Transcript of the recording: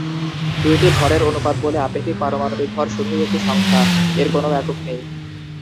দুইটি ভরের অনুপাত বলে আপেক্ষিক পারমাণবিক ভর শুধুই একটি সংখ্যা, এর কোনও একক নেই।